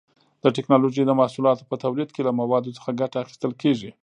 د ټېکنالوجۍ د محصولاتو په تولید کې له موادو څخه ګټه اخیستل کېږي.